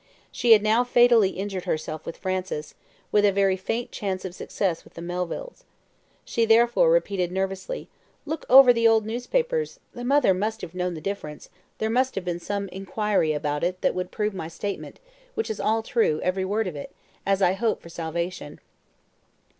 She had now fatally injured herself with Francis, with a very faint chance of success with the Melvilles. She therefore repeated nervously, "Look over the old newspapers the mother must have known the difference there must have been some inquiry about it that would prove my statement, which is all true, every word of it, as I hope for salvation."